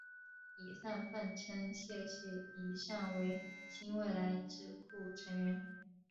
以上泛称谢系以上为新未来智库成员。